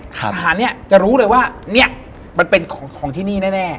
สถานการณ์จะรู้เลยว่ามันเป็นของที่นี่แน่